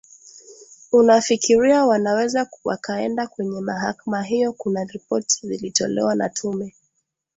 unafikiria wanaweza wakaenda kwenye mahakama hiyo kuna ripoti zilitolea na tume